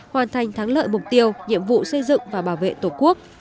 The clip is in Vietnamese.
hoàn thành thắng lợi mục tiêu nhiệm vụ xây dựng và bảo vệ tổ quốc